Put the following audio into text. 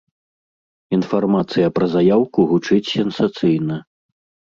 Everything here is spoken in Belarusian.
Інфармацыя пра заяўку гучыць сенсацыйна.